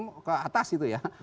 itu malah kurangnya berubah